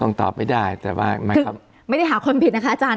ตอบไม่ได้แต่ว่าไม่ได้หาคนผิดนะคะอาจารย